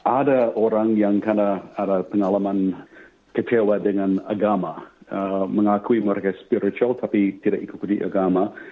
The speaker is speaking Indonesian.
ada orang yang karena ada pengalaman kecewa dengan agama mengakui mereka spiritual tapi tidak ikuti agama